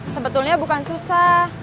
sebetulnya bukan susah